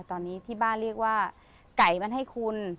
ตอนนี้ที่บ้านเรียกว่าไก่มันให้คุณ